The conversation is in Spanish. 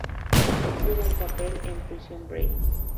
Tuvo un papel en "Prison Break".